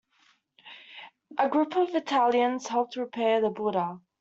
A group of Italians helped repair the Buddha.